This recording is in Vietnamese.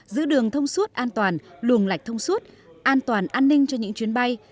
giữ đường thông suốt an toàn luồng lạch thông suốt an toàn an ninh cho những chuyến bay